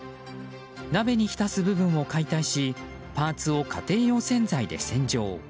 鍋にひたす部分を解体しパーツを家庭用洗剤で洗浄。